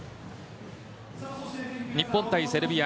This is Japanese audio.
日本対セルビア